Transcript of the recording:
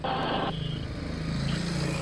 مرهټیان په جګړه کې په بشپړ ډول مات شول.